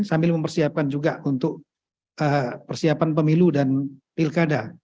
sambil mempersiapkan juga untuk persiapan pemilu dan pilkada